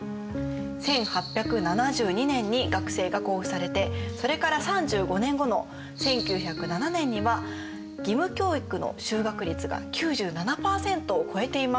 １８７２年に学制が公布されてそれから３５年後の１９０７年には義務教育の就学率が９７％を超えています。